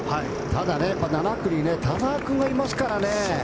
ただ、７区に田澤君がいますからね。